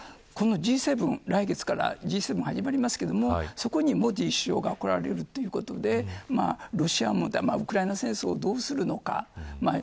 来月からＧ７が始まりますがそこにモディ首相が来られるということでロシアもウクライナ戦争をどうするのか。